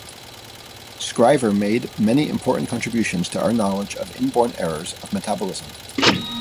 Scriver made many important contributions to our knowledge of inborn errors of metabolism.